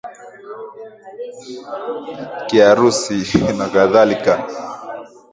kiharusi na kadhalika